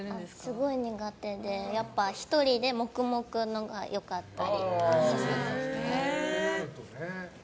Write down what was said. すごい苦手で１人で黙々のほうが良かったり。